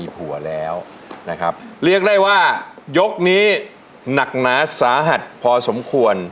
ผัวแล้วนะครับเรียกได้ว่ายกนี้หนักหนาสาหัสพอสมควร